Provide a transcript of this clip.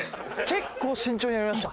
結構慎重にやりました。